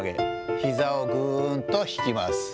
ひざをぐーんと引きます。